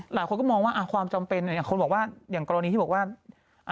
หลายคนก็มองว่าความจำเป็นอย่างกรณีที่บอกว่า